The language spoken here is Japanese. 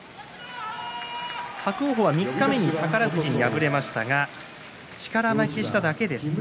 伯桜鵬は三日目に宝富士に敗れましたが力負けしただけです。